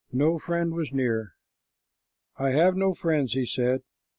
No friend was near. "I have no friends," he said.